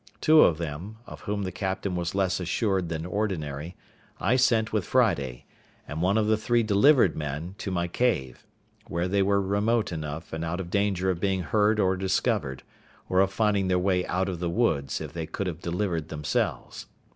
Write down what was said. Two of them, of whom the captain was less assured than ordinary, I sent with Friday, and one of the three delivered men, to my cave, where they were remote enough, and out of danger of being heard or discovered, or of finding their way out of the woods if they could have delivered themselves.